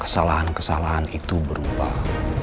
kesalahan kesalahan itu berubah